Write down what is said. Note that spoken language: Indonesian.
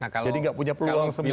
jadi nggak punya peluang semua